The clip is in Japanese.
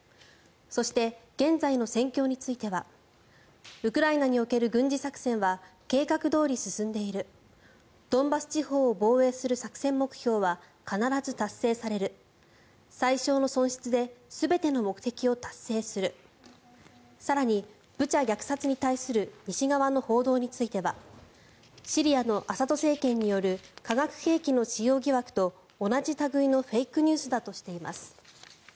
そして現在の戦況についてはウクライナにおける軍事作戦は計画どおり進んでいるドンバス地方を防衛する作戦目標は必ず達成される最小の損失で全ての目的を達成する更に、ブチャ虐殺に対する西側の報道についてはシリアのアサド政権による化学兵器の使用疑惑と同じ類いのフェイクニュースだとしています。